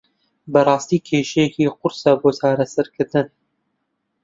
بەڕاستی کێشەیەکی قورسە بۆ چارەسەرکردن.